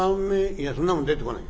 「いやそんなもん出てこない」。